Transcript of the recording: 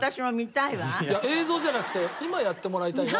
いや映像じゃなくて今やってもらいたいな。